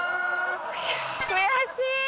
悔しーい！